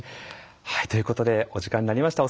はいということでお時間になりました。